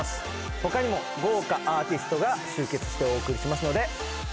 他にも豪華アーティストが集結してお送りしますので。